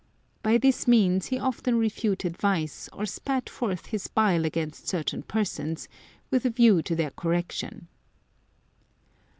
By this means he often refuted vice, or spat forth his bile against certain persons, with a view to their correction."